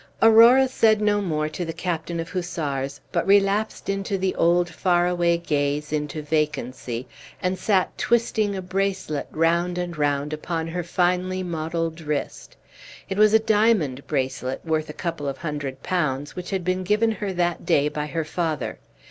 Aurora said no more to the Captain of Hussars, but relapsed into the old far away gaze into vacancy, and sat twisting a bracelet round and round upon her finely modelled wrist. It was a diamond bracelet, worth a couple of hundred pounds, which had been given her that day by her father.